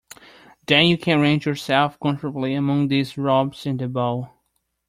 Then you can arrange yourself comfortably among these robes in the bow.